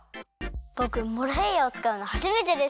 ぼくモロヘイヤをつかうのはじめてです！